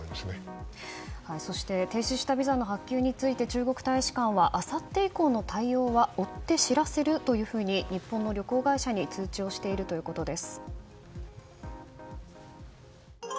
そして停止したビザの発給について中国大使館はあさって以降の対応は追って知らせるというふうに日本の旅行会社に通知をしているということです。